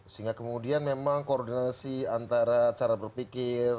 sehingga kemudian memang koordinasi antara cara berpikir